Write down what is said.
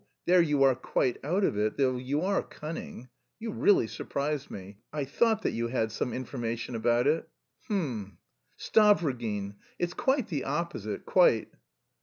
There you are quite out of it, though you are cunning. You really surprise me. I thought that you had some information about it.... H'm... Stavrogin it's quite the opposite, quite....